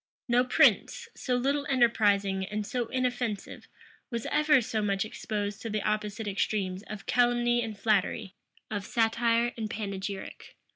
No prince, so little enterprising and so inoffensive, was ever so much exposed to the opposite extremes of calumny and flattery, of satire and panegyric.